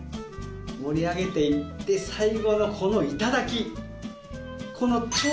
盛り上げていって最後のこの頂。